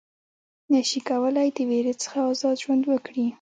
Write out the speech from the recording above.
نه شي کولای د وېرې څخه آزاد ژوند وکړي.